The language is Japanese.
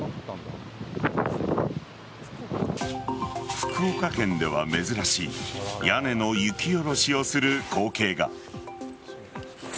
福岡県では珍しい屋根の雪下ろしをする光景が。